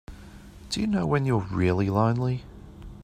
Do you know when you're really lonely?